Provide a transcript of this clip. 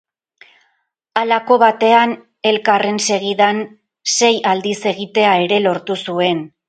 Halako batean, elkarren segidan sei aldiz egitea ere lortu zuen.